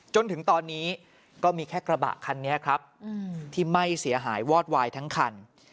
จนถึงตอนนี้ก็มีแค่กระบะคันนี้ครับที่ไหม้เสียหายวอดวายทั้งคัน